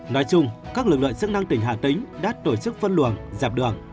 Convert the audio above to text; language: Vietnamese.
nói chung các lực lượng chức năng tỉnh hà tĩnh đã tổ chức phân luận dạp đường